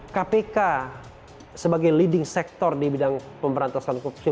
kpk sebagai leading sector di bidang pemberantasan korupsi